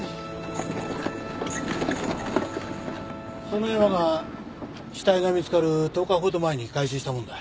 その山が死体が見つかる１０日ほど前に回収したもんだ。